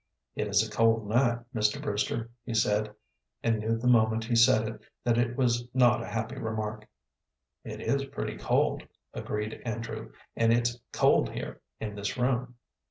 "It is a cold night, Mr. Brewster," he said, and knew the moment he said it that it was not a happy remark. "It is pretty cold," agreed Andrew, "and it's cold here in this room."